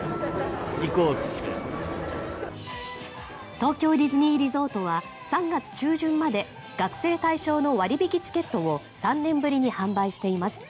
東京ディズニーリゾートは３月中旬まで学生対象の割引チケットを３年ぶりに販売しています。